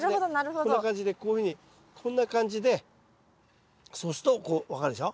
こんな感じでこういうふうにこんな感じでそうするとこう分かるでしょ？